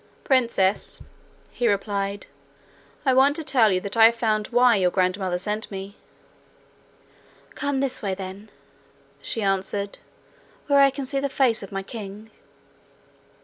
'Princess,' he replied, 'I want to tell you that I have found why your grandmother sent me.' 'Come this way, then, she answered, 'where I can see the face of my king.'